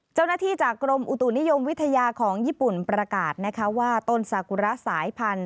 เจ้าหน้าที่จากกรมอุตุนิยมวิทยาของญี่ปุ่นประกาศว่าต้นสากุระสายพันธุ